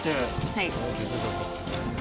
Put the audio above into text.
はい。